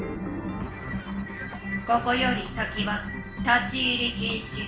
ここより先は立ち入りきん止！